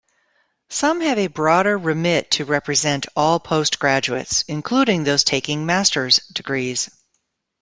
Some have a broader remit to represent all postgraduates, including those taking Master's degrees.